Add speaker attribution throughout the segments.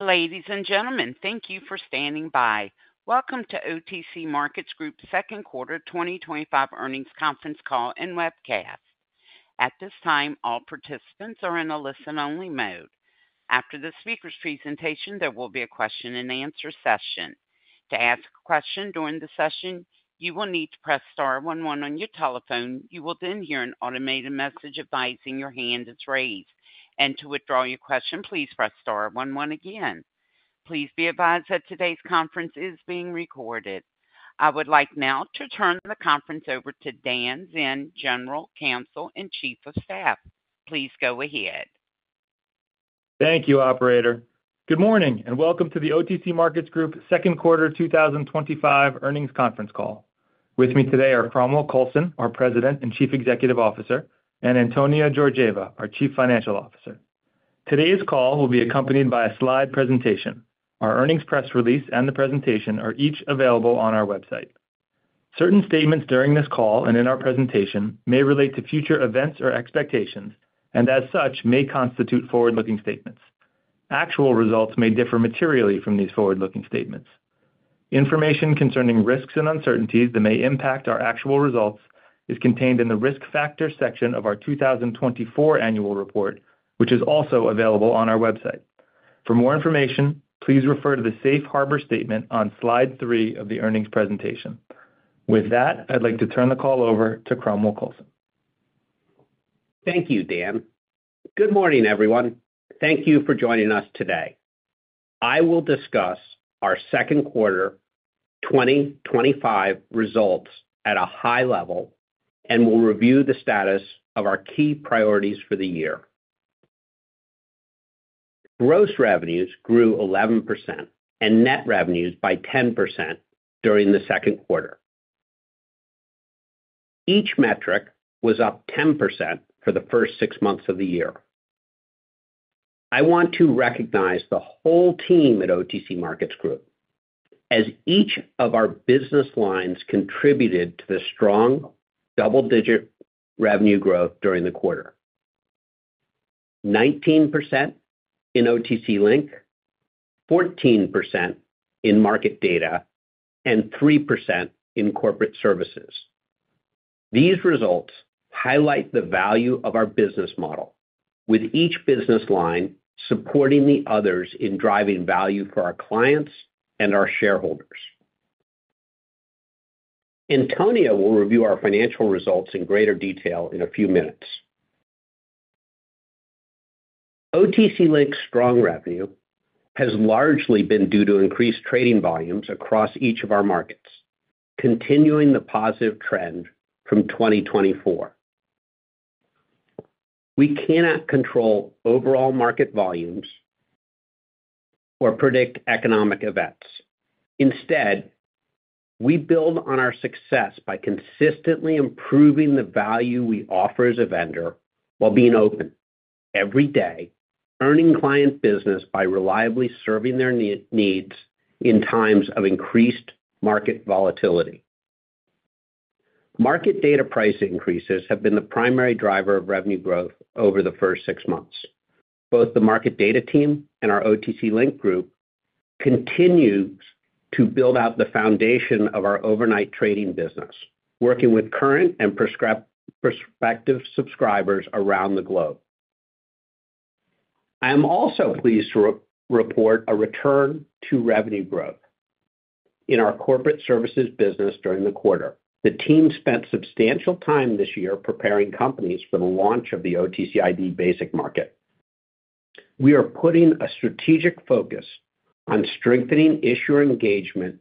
Speaker 1: Ladies and gentlemen, thank you for standing by. Welcome to OTC Markets Group's second quarter 2025 earnings conference call and webcast. At this time, all participants are in a listen-only mode. After the speaker's presentation, there will be a question and answer session. To ask a question during the session, you will need to press star one one on your telephone. You will then hear an automated message advising your hand is raised. To withdraw your question, please press star one one again. Please be advised that today's conference is being recorded. I would now like to turn the conference over to Dan Zinn, General Counsel and Chief of Staff. Please go ahead.
Speaker 2: Thank you, Operator. Good morning and welcome to the OTC Markets Group second quarter 2025 earnings conference call. With me today are Cromwell Coulson, our President and Chief Executive Officer, and Antonia Georgieva, our Chief Financial Officer. Today's call will be accompanied by a slide presentation. Our earnings press release and the presentation are each available on our website. Certain statements during this call and in our presentation may relate to future events or expectations and, as such, may constitute forward-looking statements. Actual results may differ materially from these forward-looking statements. Information concerning risks and uncertainties that may impact our actual results is contained in the risk factor section of our 2024 annual report, which is also available on our website. For more information, please refer to the Safe Harbor statement on slide three of the earnings presentation. With that, I'd like to turn the call over to Cromwell Coulson.
Speaker 3: Thank you, Dan. Good morning, everyone. Thank you for joining us today. I will discuss our second quarter 2025 results at a high level and will review the status of our key priorities for the year. Gross revenues grew 11% and net revenues by 10% during the second quarter. Each metric was up 10% for the first six months of the year. I want to recognize the whole team at OTC Markets Group as each of our business lines contributed to the strong double-digit revenue growth during the quarter: 19% in OTC Link, 14% in market data, and 3% in corporate services. These results highlight the value of our business model, with each business line supporting the others in driving value for our clients and our shareholders. Antonia will review our financial results in greater detail in a few minutes. OTC Link's strong revenue has largely been due to increased trading volumes across each of our markets, continuing the positive trend from 2024. We cannot control overall market volumes or predict economic events. Instead, we build on our success by consistently improving the value we offer as a vendor while being open every day, earning client business by reliably serving their needs in times of increased market volatility. Market data price increases have been the primary driver of revenue growth over the first six months. Both the market data team and our OTC Link group continue to build out the foundation of our overnight trading business, working with current and prospective subscribers around the globe. I am also pleased to report a return to revenue growth in our corporate services business during the quarter. The team spent substantial time this year preparing companies for the launch of the OTC ID Basic Market. We are putting a strategic focus on strengthening issuer engagement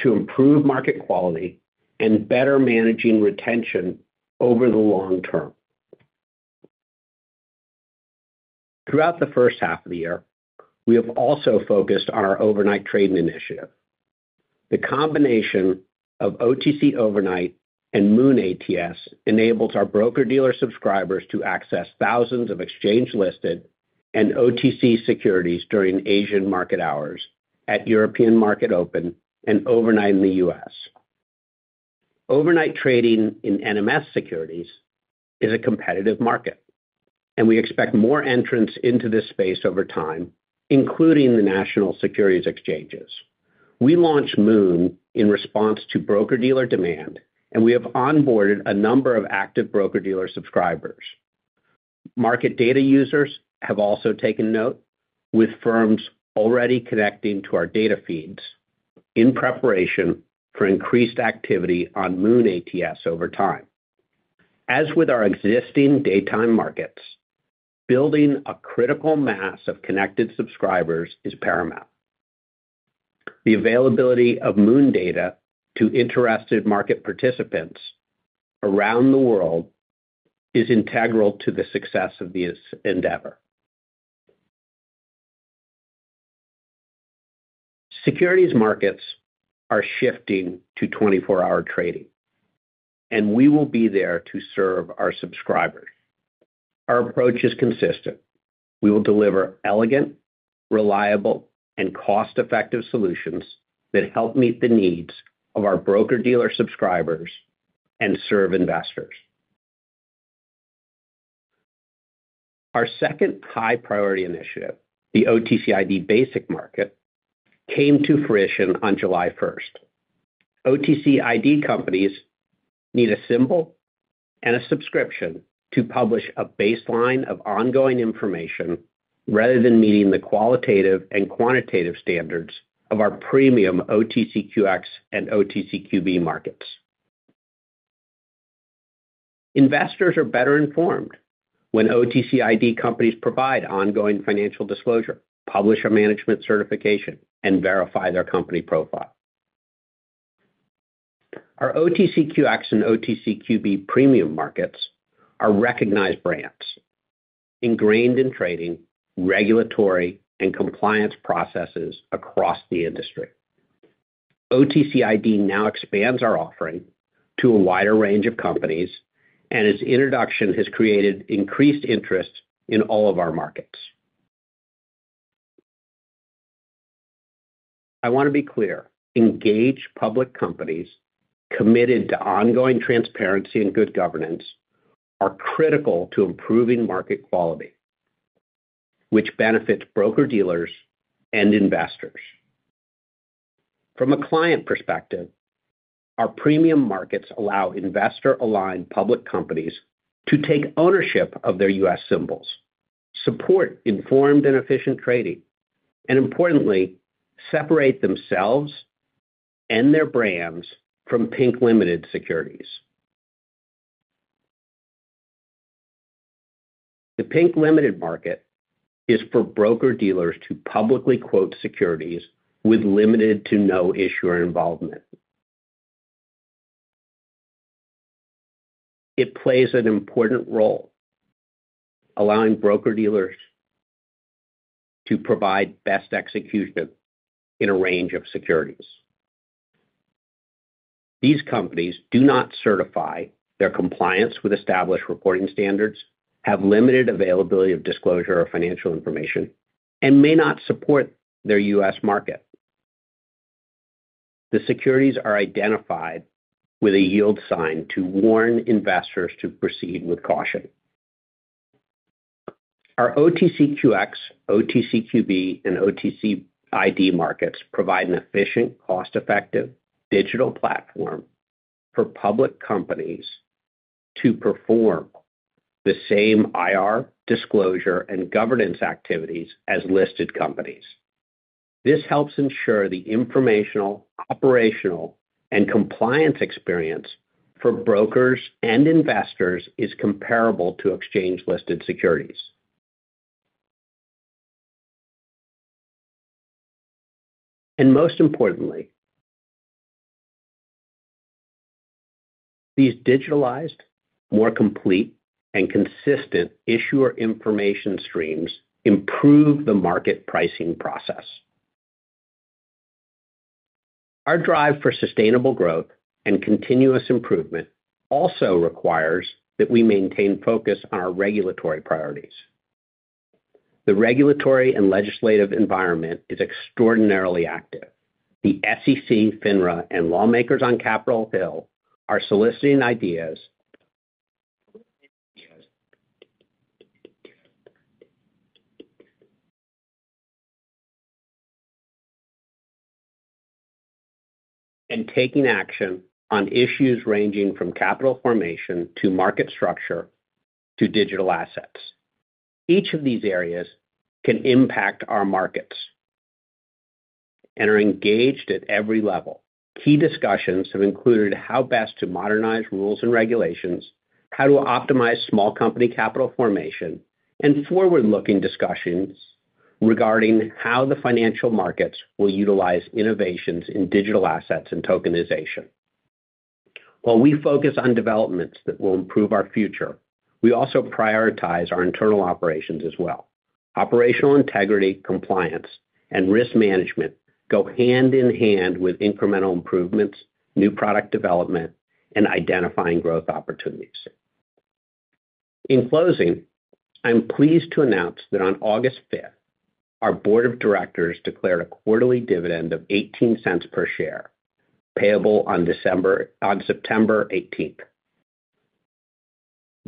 Speaker 3: to improve market quality and better managing retention over the long term. Throughout the first half of the year, we have also focused on our overnight trading initiative. The combination of OTC Overnight and MOON ATS enables our broker-dealer subscribers to access thousands of exchange-listed and OTC securities during Asian market hours, at European market open, and overnight in the U.S. Overnight trading in NMS securities is a competitive market, and we expect more entrants into this space over time, including the national securities exchanges. We launched MOON in response to broker-dealer demand, and we have onboarded a number of active broker-dealer subscribers. Market data users have also taken note, with firms already connecting to our data feeds in preparation for increased activity on MOON ATS over time. As with our existing daytime markets, building a critical mass of connected subscribers is paramount. The availability of MOON data to interested market participants around the world is integral to the success of this endeavor. Securities markets are shifting to 24-hour trading, and we will be there to serve our subscribers. Our approach is consistent: we will deliver elegant, reliable, and cost-effective solutions that help meet the needs of our broker-dealer subscribers and serve investors. Our second high-priority initiative, the OTC ID Basic Market, came to fruition on July 1st. OTC ID companies need a symbol and a subscription to publish a baseline of ongoing information rather than meeting the qualitative and quantitative standards of our premium OTCQX Best Market and OTCQB Market. Investors are better informed when OTC ID companies provide ongoing financial disclosure, publish a management certification, and verify their company profile. Our OTCQX Best Market and OTCQB Venture Market premium markets are recognized brands, ingrained in trading, regulatory, and compliance processes across the industry. OTC ID now expands our offering to a wider range of companies, and its introduction has created increased interest in all of our markets. I want to be clear: engaged public companies committed to ongoing transparency and good governance are critical to improving market quality, which benefits broker-dealers and investors. From a client perspective, our premium markets allow investor-aligned public companies to take ownership of their U.S. symbols, support informed and efficient trading, and, importantly, separate themselves and their brands from Pink Limited Securities. The Pink Limited Market is for broker-dealers to publicly quote securities with limited to no issuer involvement. It plays an important role, allowing broker-dealers to provide best execution in a range of securities. These companies do not certify their compliance with established reporting standards, have limited availability of disclosure or financial information, and may not support their U.S. market. The securities are identified with a yield sign to warn investors to proceed with caution. Our OTCQX, OTCQB, and OTC ID markets provide an efficient, cost-effective digital platform for public companies to perform the same IR, disclosure, and governance activities as listed companies. This helps ensure the informational, operational, and compliance experience for brokers and investors is comparable to exchange-listed securities. Most importantly, these digitalized, more complete, and consistent issuer information streams improve the market pricing process. Our drive for sustainable growth and continuous improvement also requires that we maintain focus on our regulatory priorities. The regulatory and legislative environment is extraordinarily active. The SEC, FINRA, and lawmakers on Capitol Hill are soliciting ideas and taking action on issues ranging from capital formation to market structure to digital assets. Each of these areas can impact our markets and are engaged at every level. Key discussions have included how best to modernize rules and regulations, how to optimize small company capital formation, and forward-looking discussions regarding how the financial markets will utilize innovations in digital assets and tokenization. While we focus on developments that will improve our future, we also prioritize our internal operations as well. Operational integrity, compliance, and risk management go hand in hand with incremental improvements, new product development, and identifying growth opportunities. In closing, I'm pleased to announce that on August 5th, our Board of Directors declared a quarterly dividend of $0.18 per share, payable on September 18.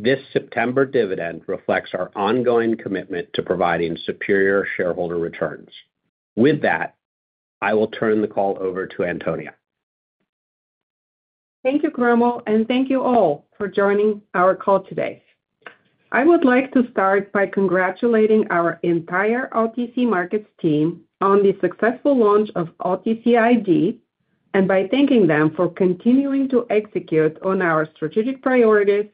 Speaker 3: This September dividend reflects our ongoing commitment to providing superior shareholder returns. With that, I will turn the call over to Antonia.
Speaker 4: Thank you, Cromwell, and thank you all for joining our call today. I would like to start by congratulating our entire OTC Markets team on the successful launch of OTC ID and by thanking them for continuing to execute on our strategic priorities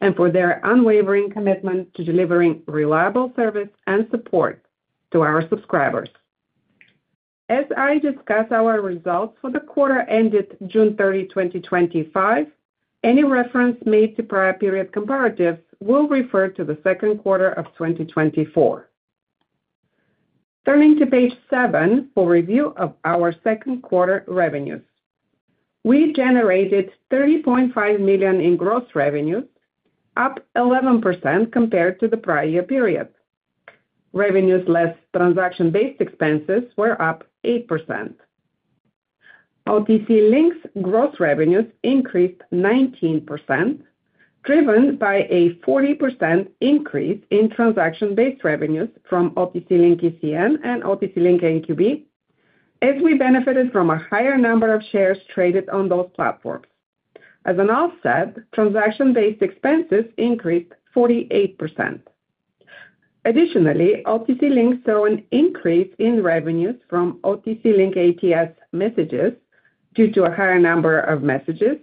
Speaker 4: and for their unwavering commitment to delivering reliable service and support to our subscribers. As I discuss our results for the quarter ended June 30, 2025, any reference made to prior period comparatives will refer to the second quarter of 2024. Turning to page seven for review of our second quarter revenues, we generated $30.5 million in gross revenues, up 11% compared to the prior year period. Revenues less transaction-based expenses were up 8%. OTC Link's gross revenues increased 19%, driven by a 40% increase in transaction-based revenues from OTC Link ECN and OTC Link NQB, as we benefited from a higher number of shares traded on those platforms. As an offset, transaction-based expenses increased 48%. Additionally, OTC Link saw an increase in revenues from OTC Link ATS messages due to a higher number of messages,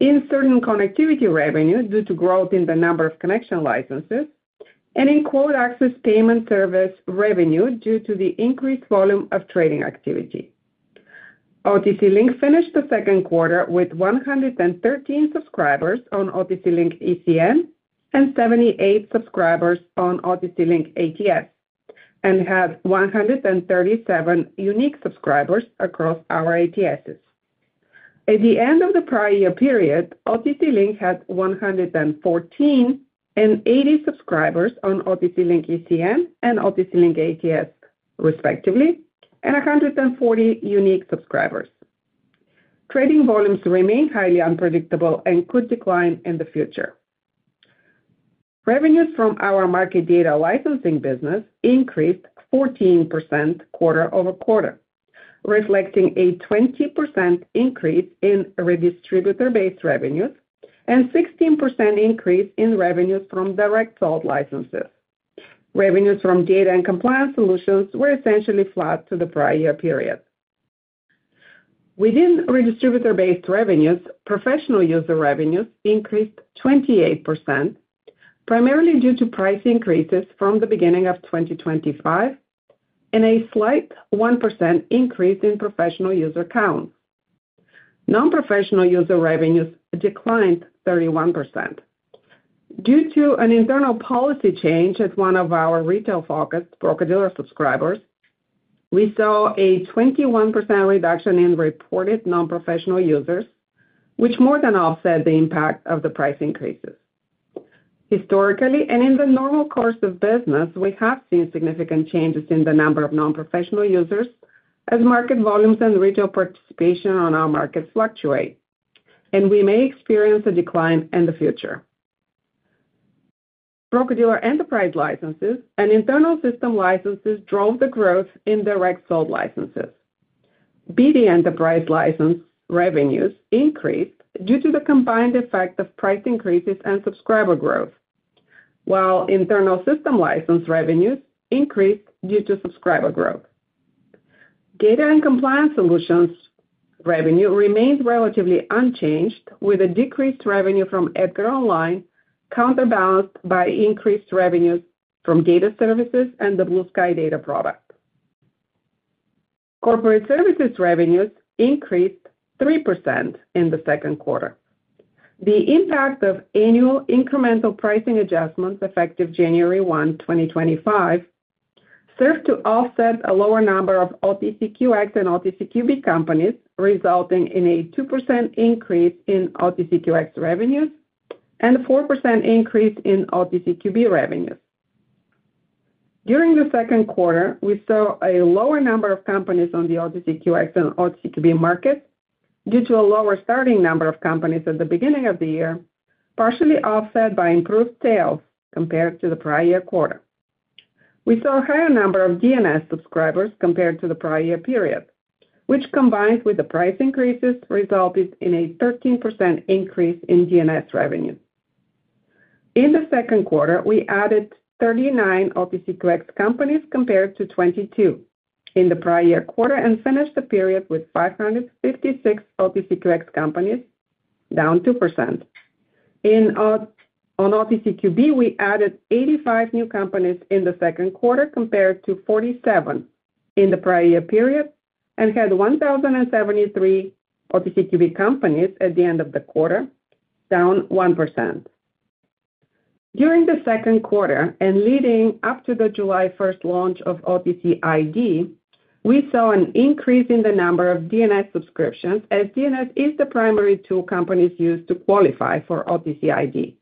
Speaker 4: in certain connectivity revenue due to growth in the number of connection licenses, and in cold access payment service revenue due to the increased volume of trading activity. OTC Link finished the second quarter with 113 subscribers on OTC Link ECN and 78 subscribers on OTC Link ATS and had 137 unique subscribers across our ATSs. At the end of the prior year period, OTC Link had 114 and 80 subscribers on OTC Link ECN and OTC Link ATS, respectively, and 140 unique subscribers. Trading volumes remain highly unpredictable and could decline in the future. Revenues from our market data licensing business increased 14% quarter-over-quarter, reflecting a 20% increase in redistributor-based revenues and a 16% increase in revenues from direct-sold licenses. Revenues from data and compliance solutions were essentially flat to the prior year period. Within redistributor-based revenues, professional user revenues increased 28%, primarily due to price increases from the beginning of 2025, and a slight 1% increase in professional user count. Non-professional user revenues declined 31%. Due to an internal policy change at one of our retail focus, broker-dealer subscribers, we saw a 21% reduction in reported non-professional users, which more than offset the impact of the price increases. Historically, and in the normal course of business, we have seen significant changes in the number of non-professional users as market volumes and retail participation on our markets fluctuate, and we may experience a decline in the future. Broker-dealer enterprise licenses and internal system licenses drove the growth in direct-sold licenses. BD enterprise license revenues increased due to the combined effect of price increases and subscriber growth, while internal system license revenues increased due to subscriber growth. Data and compliance solutions revenue remains relatively unchanged, with a decreased revenue from EDGAR Online counterbalanced by increased revenues from Data Services and the Blue Sky Data product. Corporate services revenues increased 3% in the second quarter. The impact of annual incremental pricing adjustments effective January 1, 2025, served to offset a lower number of OTCQX and OTCQB companies, resulting in a 2% increase in OTCQX revenues and a 4% increase in OTCQB revenues. During the second quarter, we saw a lower number of companies on the OTCQX and OTCQB markets due to a lower starting number of companies at the beginning of the year, partially offset by improved sales compared to the prior year quarter. We saw a higher number of DNS subscribers compared to the prior year period, which, combined with the price increases, resulted in a 13% increase in DNS revenues. In the second quarter, we added 39 OTCQX companies compared to 22 in the prior year quarter and finished the period with 556 OTCQX companies, down 2%. On OTCQB, we added 85 new companies in the second quarter compared to 47 in the prior year period and had 1,073 OTCQB companies at the end of the quarter, down 1%. During the second quarter and leading up to the July 1st launch of OTC ID, we saw an increase in the number of DNS subscriptions as DNS is the primary tool companies use to qualify for OTC ID.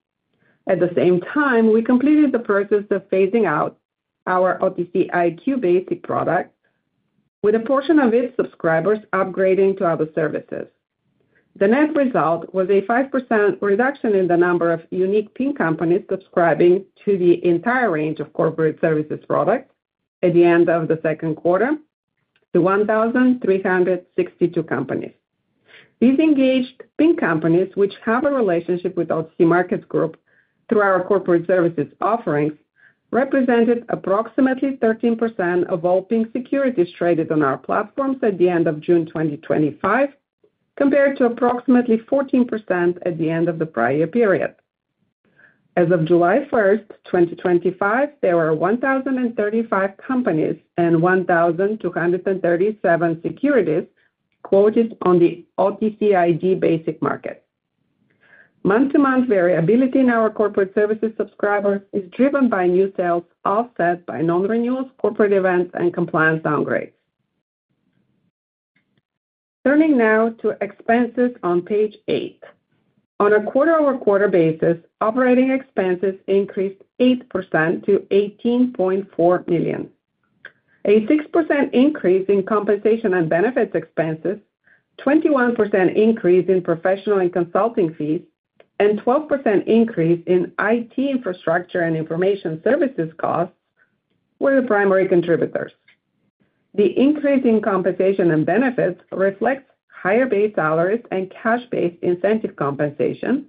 Speaker 4: At the same time, we completed the process of phasing out our OTC ID Basic product, with a portion of its subscribers upgrading to other services. The net result was a 5% reduction in the number of unique Pink companies subscribing to the entire range of corporate services products at the end of the second quarter to 1,362 companies. These engaged Pink companies, which have a relationship with OTC Markets Group through our corporate services offerings, represented approximately 13% of all Pink securities traded on our platforms at the end of June 2025, compared to approximately 14% at the end of the prior year period. As of July 1st, 2025, there were 1,035 companies and 1,237 securities quoted on the OTC ID Basic Market. Month-to-month variability in our corporate services subscribers is driven by new sales offset by non-renewals, corporate events, and compliance downgrades. Turning now to expenses on page eight. On a quarter-over-quarter basis, operating expenses increased 8% to $18.4 million. A 6% increase in compensation and benefits expenses, a 21% increase in professional and consulting fees, and a 12% increase in IT infrastructure and information services costs were the primary contributors. The increase in compensation and benefits reflects higher base salaries and cash-based incentive compensation,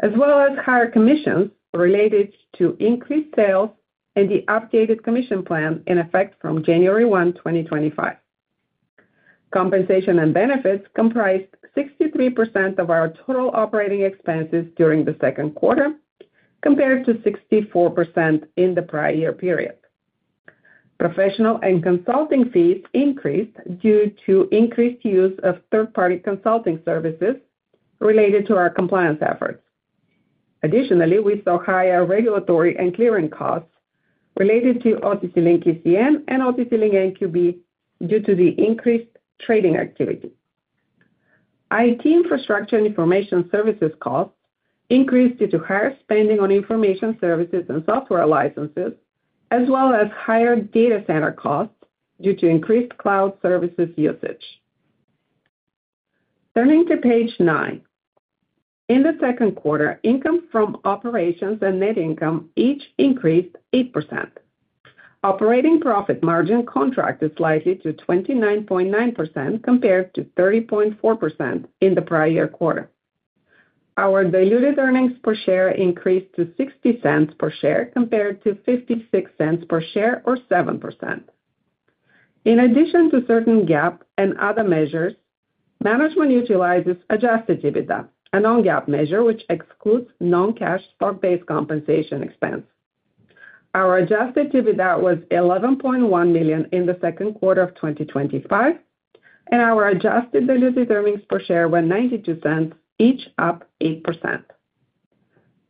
Speaker 4: as well as higher commissions related to increased sales and the updated commission plan in effect from January 1, 2025. Compensation and benefits comprised 63% of our total operating expenses during the second quarter, compared to 64% in the prior year period. Professional and consulting fees increased due to increased use of third-party consulting services related to our compliance efforts. Additionally, we saw higher regulatory and clearing costs related to OTC Link ECN and OTC Link NQB due to the increased trading activity. IT infrastructure and information services costs increased due to higher spending on information services and software licenses, as well as higher data center costs due to increased cloud services usage. Turning to page nine, in the second quarter, income from operations and net income each increased 8%. Operating profit margin contracted slightly to 29.9% compared to 30.4% in the prior year quarter. Our diluted earnings per share increased to $0.60 per share compared to $0.56 per share, or 7%. In addition to certain GAAP and other measures, management utilizes Adjusted EBITDA, a non-GAAP measure which excludes non-cash stock-based compensation expense. Our Adjusted EBITDA was $11.1 million in the second quarter of 2025, and our adjusted diluted earnings per share were $0.92, each up 8%.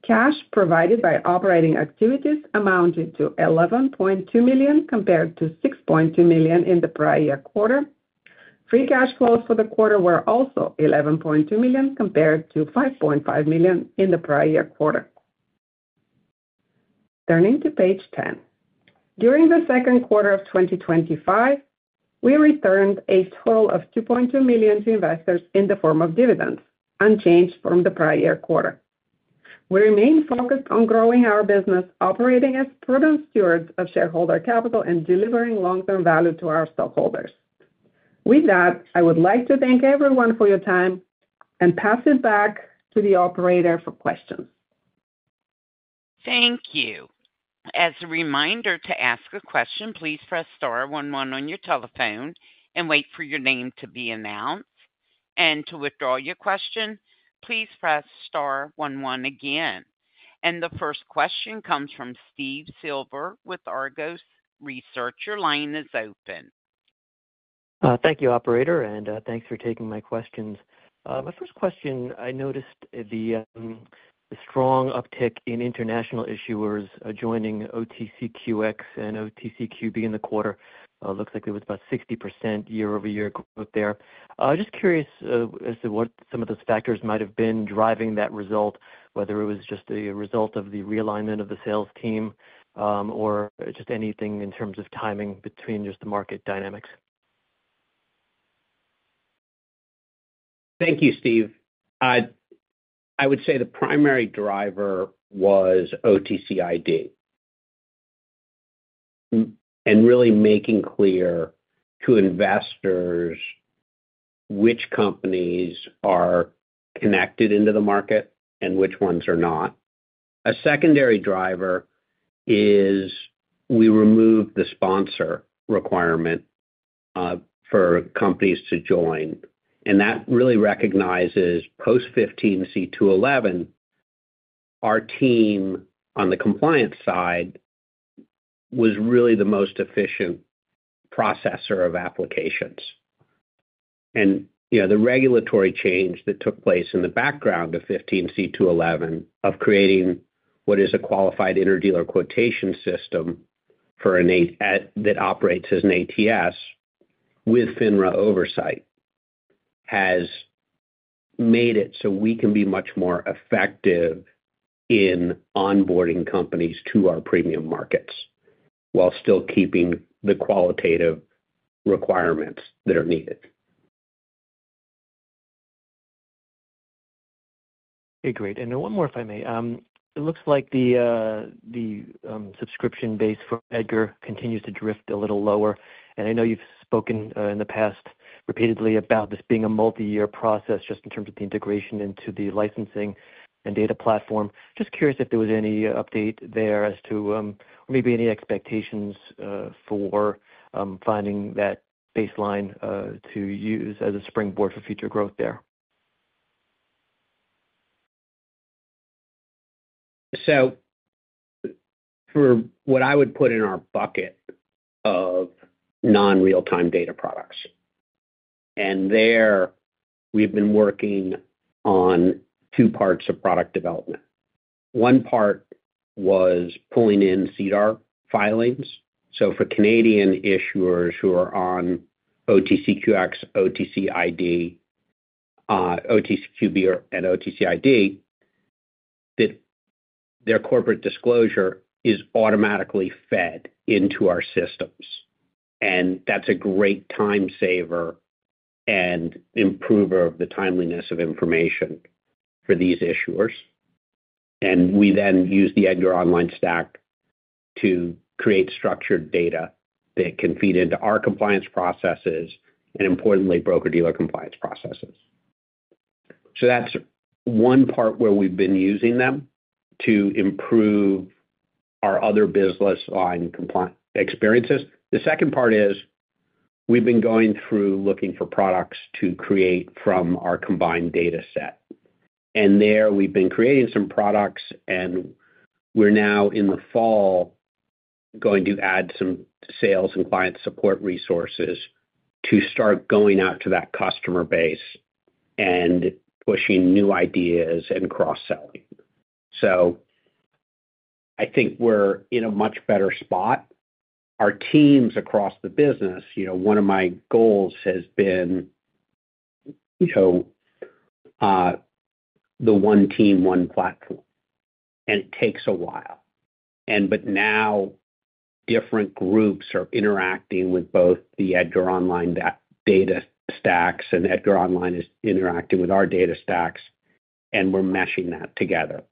Speaker 4: Cash provided by operating activities amounted to $11.2 million compared to $6.2 million in the prior year quarter. Free cash flows for the quarter were also $11.2 million compared to $5.5 million in the prior year quarter. Turning to page 10, during the second quarter of 2025, we returned a total of $2.2 million to investors in the form of dividends, unchanged from the prior year quarter. We remain focused on growing our business, operating as proven stewards of shareholder capital, and delivering long-term value to our stockholders. With that, I would like to thank everyone for your time and pass it back to the operator for questions.
Speaker 1: Thank you. As a reminder, to ask a question, please press star one one on your telephone and wait for your name to be announced. To withdraw your question, please press star one one again. The first question comes from Steve Silver with Argus Research, your line is open.
Speaker 5: Thank you, Operator, and thanks for taking my questions. My first question, I noticed the strong uptick in international issuers joining OTCQX and OTCQB in the quarter. It looks like it was about 60% year-over-year growth there. I'm just curious as to what some of those factors might have been driving that result, whether it was just a result of the realignment of the sales team or just anything in terms of timing between just the market dynamics.
Speaker 3: Thank you, Steve. I would say the primary driver was OTC ID and really making clear to investors which companies are connected into the market and which ones are not. A secondary driver is we removed the sponsor requirement for companies to join, and that really recognizes post 15c2-11. Our team on the compliance side was really the most efficient processor of applications. The regulatory change that took place in the background of 15c2-11 of creating what is a qualified inter-dealer quotation system for an ATS that operates as an ATS with FINRA oversight has made it so we can be much more effective in onboarding companies to our premium markets while still keeping the qualitative requirements that are needed.
Speaker 5: Agreed. One more, if I may, it looks like the subscription base for EDGAR Online continues to drift a little lower. I know you've spoken in the past repeatedly about this being a multi-year process just in terms of the integration into the licensing and data platform. I'm just curious if there was any update there as to maybe any expectations for finding that baseline to use as a springboard for future growth there.
Speaker 3: For what I would put in our bucket of non-real-time data products, we've been working on two parts of product development. One part was pulling in SEDAR filings. For Canadian issuers who are on OTCQX, OTC ID Basic Market, OTCQB Venture Market, and OTC ID Basic Market, their corporate disclosure is automatically fed into our systems. That's a great time saver and improver of the timeliness of information for these issuers. We then use the EDGAR Online stack to create structured data that can feed into our compliance processes and, importantly, broker-dealer compliance processes. That's one part where we've been using them to improve our other business line compliance experiences. The second part is we've been going through looking for products to create from our combined data set. We've been creating some products, and we're now in the fall going to add some sales and client support resources to start going out to that customer base and pushing new ideas and cross-selling. I think we're in a much better spot. Our teams across the business—one of my goals has been the one team, one platform. It takes a while, but now different groups are interacting with both the EDGAR Online data stacks, and EDGAR Online is interacting with our data stacks, and we're meshing that together.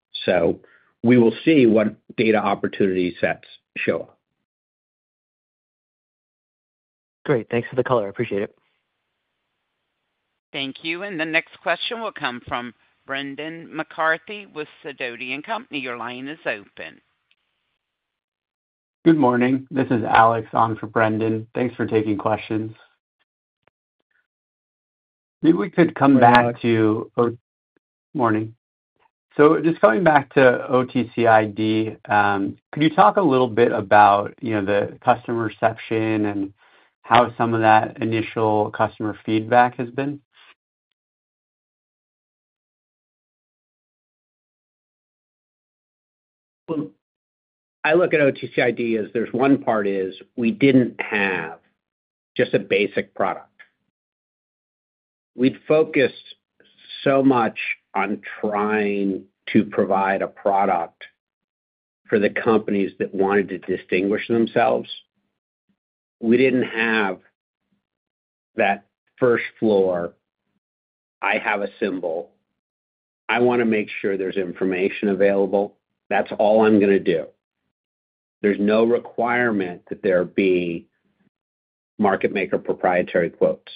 Speaker 3: We will see what data opportunity sets show up.
Speaker 5: Great. Thanks for the color. I appreciate it.
Speaker 1: Thank you. The next question will come from Brendan McCarthy with Sidoti Company. Your line is open.
Speaker 6: Good morning. This is Alex on for Brendan. Thanks for taking questions. Maybe we could come back to OTC ID. Could you talk a little bit about, you know, the customer reception and how some of that initial customer feedback has been?
Speaker 3: I look at OTC ID as there's one part is we didn't have just a basic product. We focused so much on trying to provide a product for the companies that wanted to distinguish themselves. We didn't have that first floor. I have a symbol. I want to make sure there's information available. That's all I'm going to do. There's no requirement that there be market maker proprietary quotes.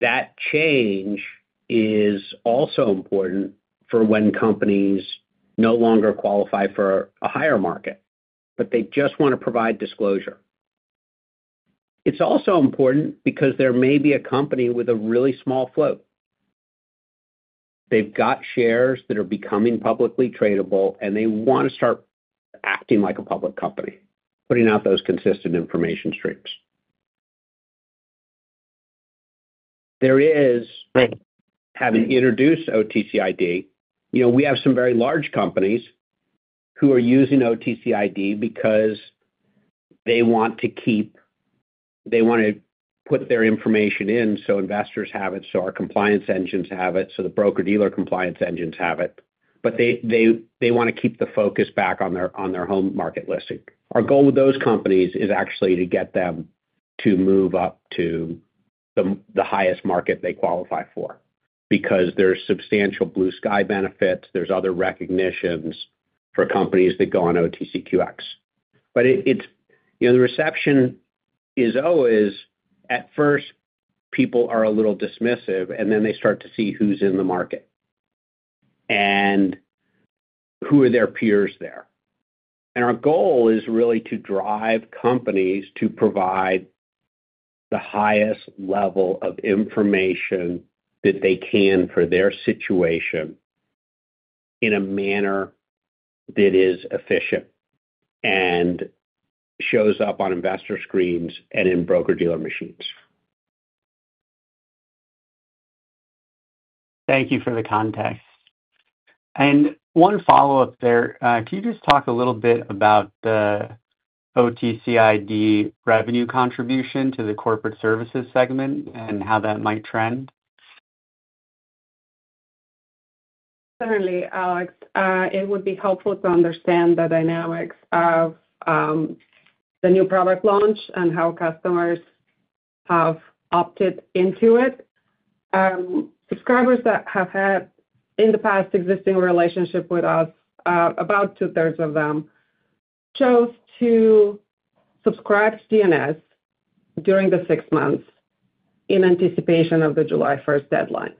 Speaker 3: That change is also important for when companies no longer qualify for a higher market, but they just want to provide disclosure. It's also important because there may be a company with a really small float. They've got shares that are becoming publicly tradable, and they want to start acting like a public company, putting out those consistent information streams. Having introduced OTC ID, we have some very large companies who are using OTC ID because they want to keep, they want to put their information in so investors have it, so our compliance engines have it, so the broker-dealer compliance engines have it. They want to keep the focus back on their home market listing. Our goal with those companies is actually to get them to move up to the highest market they qualify for because there's substantial blue sky benefits. There are other recognitions for companies that go on OTCQX. The reception is always, at first, people are a little dismissive, and then they start to see who's in the market and who are their peers there. Our goal is really to drive companies to provide the highest level of information that they can for their situation in a manner that is efficient and shows up on investor screens and in broker-dealer machines.
Speaker 6: Thank you for the context. One follow-up there, could you just talk a little bit about the OTC ID revenue contribution to the corporate services segment and how that might trend?
Speaker 4: Certainly, Alex. It would be helpful to understand the dynamics of the new product launch and how customers have opted into it. Subscribers that have had in the past existing relationship with us, about two-thirds of them, chose to subscribe to DNS during the six months in anticipation of the July 1st deadline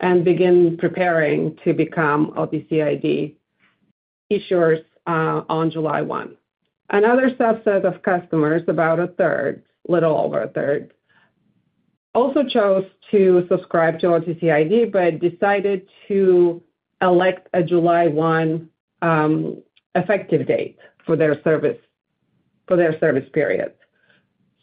Speaker 4: and begin preparing to become OTC ID issuers on July 1. Another subset of customers, about a third, a little over a third, also chose to subscribe to OTC ID but decided to elect a July 1 effective date for their service periods.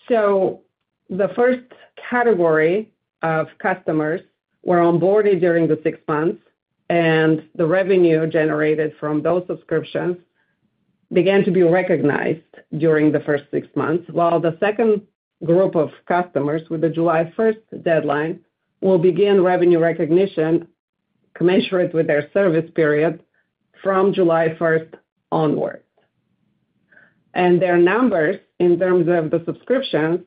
Speaker 4: The first category of customers were onboarded during the six months, and the revenue generated from those subscriptions began to be recognized during the first six months, while the second group of customers with the July 1st deadline will begin revenue recognition commensurate with their service period from July 1st onward. Their numbers in terms of the subscriptions,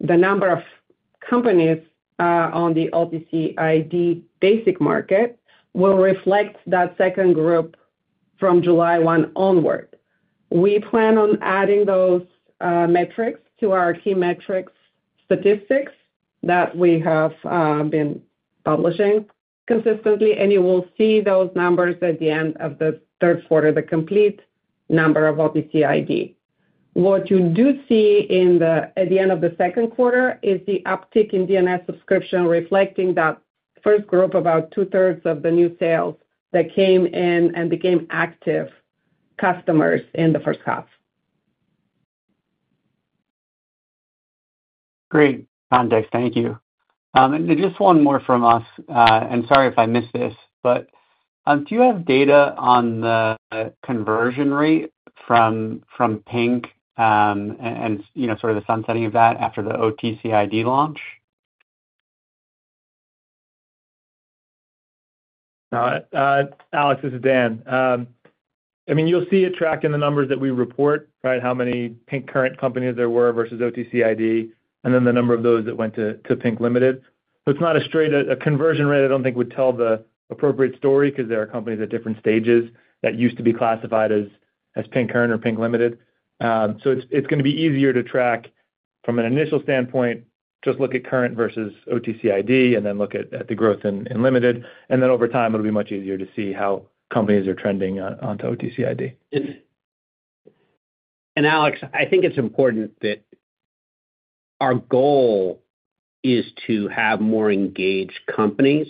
Speaker 4: the number of companies on the OTC ID Basic Market, will reflect that second group from July 1 onward. We plan on adding those metrics to our key metrics statistics that we have been publishing consistently, and you will see those numbers at the end of the third quarter, the complete number of OTC ID. What you do see at the end of the second quarter is the uptick in DNS subscription, reflecting that first group, about two-thirds of the new sales that came in and became active customers in the first half.
Speaker 6: Great context. Thank you. Just one more from us. Sorry if I missed this, but do you have data on the conversion rate from Pink and, you know, sort of the sunsetting of that after the OTC ID launch?
Speaker 2: Alex, this is Dan. You'll see it tracking the numbers that we report, right? How many Pink Current companies there were versus OTC ID, and then the number of those that went to Pink Limited. It's not a straight conversion rate. I don't think it would tell the appropriate story because there are companies at different stages that used to be classified as Pink Current or Pink Limited. It's going to be easier to track from an initial standpoint. Just look at Current versus OTC ID and then look at the growth in Limited. Over time, it'll be much easier to see how companies are trending onto OTC ID.
Speaker 3: Alex, I think it's important that our goal is to have more engaged companies,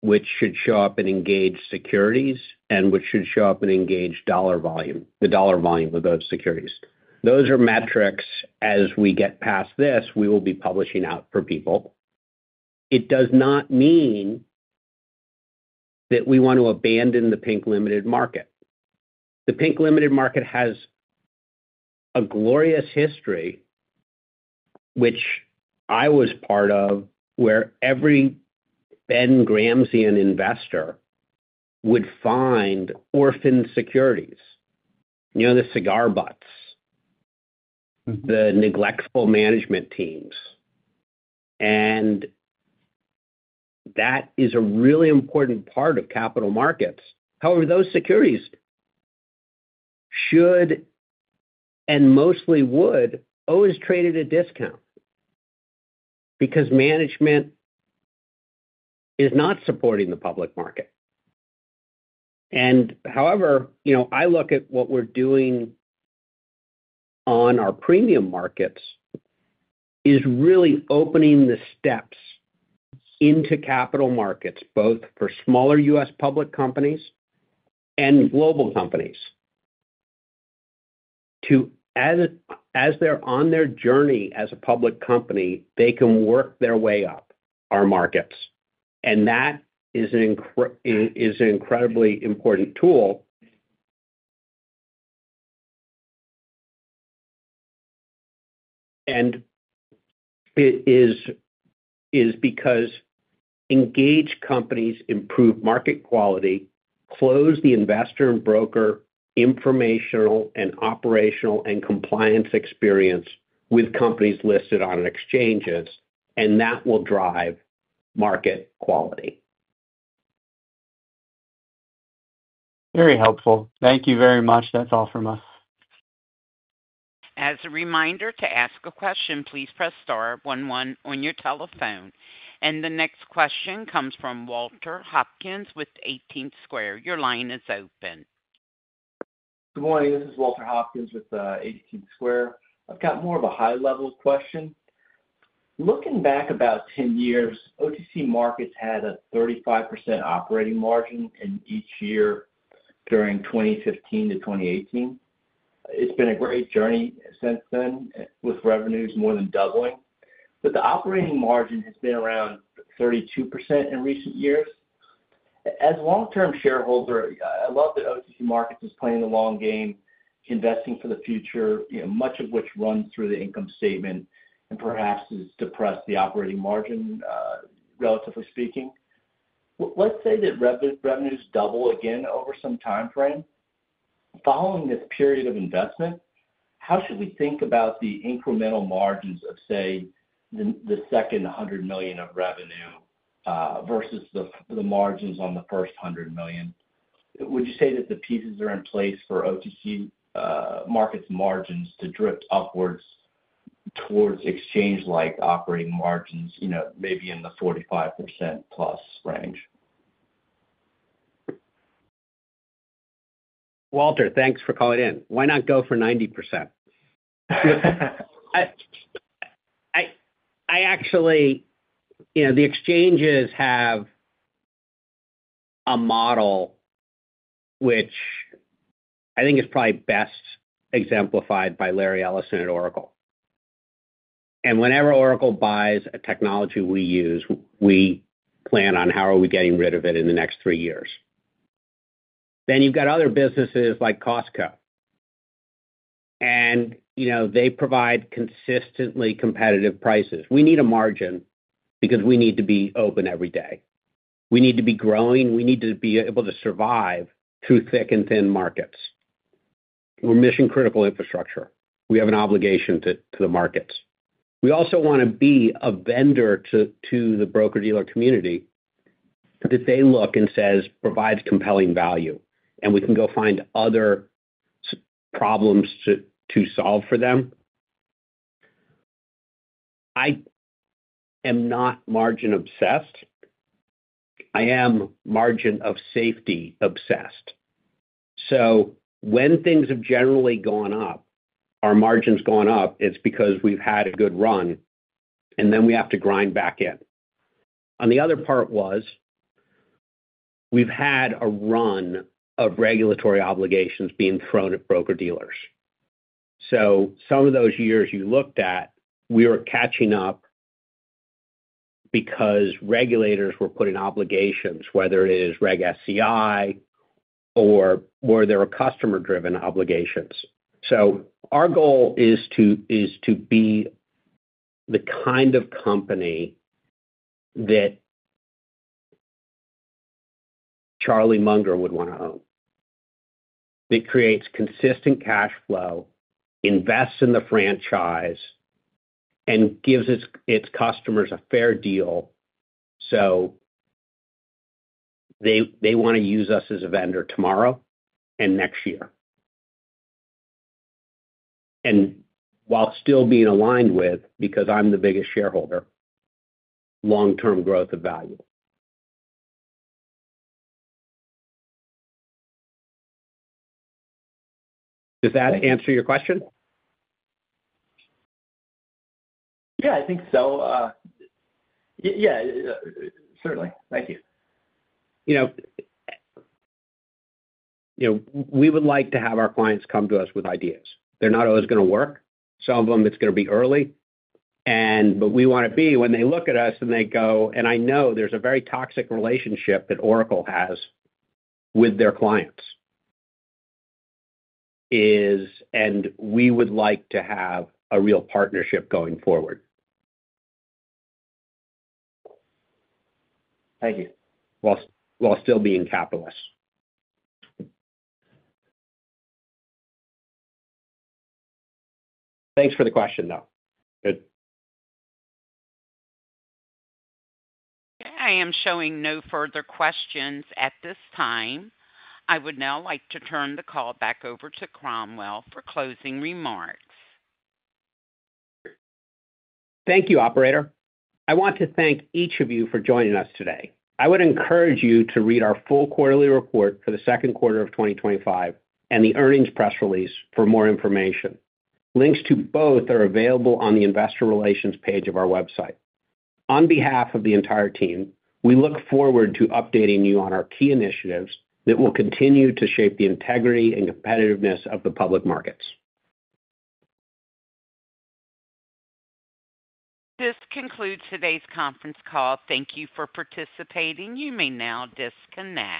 Speaker 3: which should show up in engaged securities and which should show up in engaged dollar volume, the dollar volume of those securities. Those are metrics. As we get past this, we will be publishing out for people. It does not mean that we want to abandon the Pink Limited Market. The Pink Limited Market has a glorious history, which I was part of, where every Ben Grahamian investor would find orphaned securities, you know, the cigar butts, the neglectful management teams. That is a really important part of capital markets. However, those securities should, and mostly would, always trade at a discount because management is not supporting the public market. I look at what we're doing on our premium markets as really opening the steps into capital markets, both for smaller U.S. public companies and global companies. As they're on their journey as a public company, they can work their way up our markets. That is an incredibly important tool. It is because engaged companies improve market quality, close the investor and broker informational and operational and compliance experience with companies listed on exchanges, and that will drive market quality.
Speaker 6: Very helpful. Thank you very much. That's all from us.
Speaker 1: As a reminder, to ask a question, please press star one one on your telephone. The next question comes from Walter Hopkins with 18th Square. Your line is open.
Speaker 7: Good morning. This is Walter Hopkins with 18th Square. I've got more of a high-level question. Looking back about 10 years, OTC Markets had a 35% operating margin in each year during 2015-2018. It's been a great journey since then, with revenues more than doubling. The operating margin has been around 32% in recent years. As a long-term shareholder, I love that OTC Markets is playing the long game, investing for the future, much of which runs through the income statement and perhaps has depressed the operating margin, relatively speaking. Let's say that revenues double again over some timeframe. Following this period of investment, how should we think about the incremental margins of, say, the second $100 million of revenue, versus the margins on the first $100 million? Would you say that the pieces are in place for OTC Markets margins to drift upwards towards exchange-like operating margins, maybe in the 45%+ range?
Speaker 3: Walter, thanks for calling in. Why not go for 90%? I actually, you know, the exchanges have a model which I think is probably best exemplified by Larry Ellison at Oracle. Whenever Oracle buys a technology we use, we plan on how are we getting rid of it in the next three years. Then you've got other businesses like Costco. They provide consistently competitive prices. We need a margin because we need to be open every day. We need to be growing. We need to be able to survive through thick and thin markets. We're mission-critical infrastructure. We have an obligation to the markets. We also want to be a vendor to the broker-dealer community that they look and say provides compelling value, and we can go find other problems to solve for them. I am not margin-obsessed. I am margin-of-safety-obsessed. When things have generally gone up, our margin's gone up, it's because we've had a good run, and then we have to grind back in. The other part was we've had a run of regulatory obligations being thrown at broker-dealers. Some of those years you looked at, we were catching up because regulators were putting obligations, whether it is Reg SCI or where there were customer-driven obligations. Our goal is to be the kind of company that Charlie Munger would want to own. It creates consistent cash flow, invests in the franchise, and gives its customers a fair deal so they want to use us as a vendor tomorrow and next year. While still being aligned with, because I'm the biggest shareholder, long-term growth of value. Does that answer your question?
Speaker 7: Yeah, I think so. Yeah, certainly. Thank you.
Speaker 3: You know, we would like to have our clients come to us with ideas. They're not always going to work. Some of them, it's going to be early, but we want to be when they look at us and they go, I know there's a very toxic relationship that Oracle has with their clients. We would like to have a real partnership going forward. Thank you. While still being capitalists. Thanks for the question, though. Good.
Speaker 1: Okay. I am showing no further questions at this time. I would now like to turn the call back over to Cromwell for closing remarks.
Speaker 3: Thank you, Operator. I want to thank each of you for joining us today. I would encourage you to read our full quarterly report for the second quarter of 2025 and the earnings press release for more information. Links to both are available on the Investor Relations page of our website. On behalf of the entire team, we look forward to updating you on our key initiatives that will continue to shape the integrity and competitiveness of the public markets.
Speaker 1: This concludes today's conference call. Thank you for participating. You may now disconnect.